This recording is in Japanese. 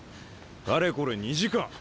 かれこれ２時間。